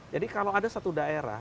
jadi kalau ada satu daerah